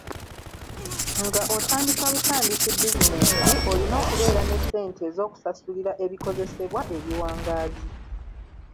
Nga otandika butandisi bizinensi, olina okubeera ne ssente ez’okusasulira ebikozesebwa ebiwangaazi.